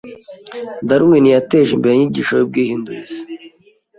Darwin yateje imbere inyigisho y'ubwihindurize.